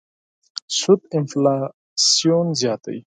سود انفلاسیون زیاتوي.